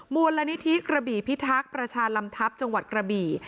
มูลนิธิกระบี่พิทักษ์ประชาลำทัพจังหวัดกระบี่